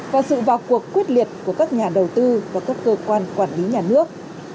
và sự vào cuộc quyết liệt của các nhà đầu tư và các cơ quan quản lý nhà nước